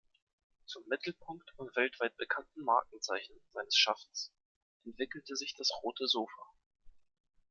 Zum Mittelpunkt und weltweit bekannten Markenzeichen seines Schaffens entwickelte sich das „Rote Sofa“.